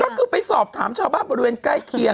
ก็คือไปสอบถามชาวบ้านบริเวณใกล้เคียง